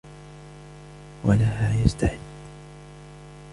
وَلَهَا يَسْتَعِدُّ